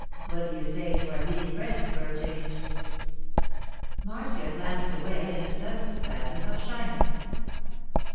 What do you say to our being friends, for a change?' Marcia glanced away in a sudden spasm of shyness.